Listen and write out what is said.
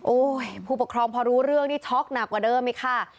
ผู้ปกครองพอรู้เรื่องนี่ช็อกหนักกว่าเดิมอีกค่ะ